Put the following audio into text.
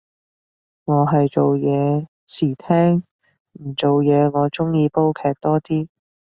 我係做嘢時聽，唔做嘢我鍾意煲劇多啲